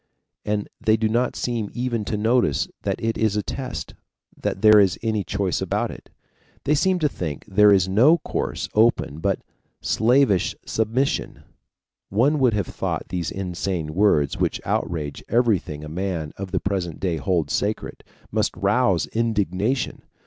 And they do not seem even to notice that it is a test, that there is any choice about it. They seem to think there is no course open but slavish submission. One would have thought these insane words, which outrage everything a man of the present day holds sacred, must rouse indignation.